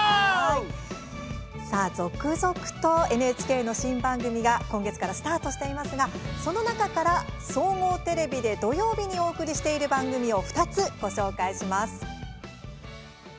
続々とＮＨＫの新番組が今月からスタートしていますがその中から、総合テレビで土曜日にお送りしている番組を２つご紹介します。